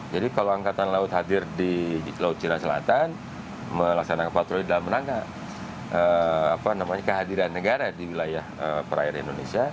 jadi kalau angkatan laut hadir di laut cina selatan melaksanakan patroli di dalam menangga kehadiran negara di wilayah perairan indonesia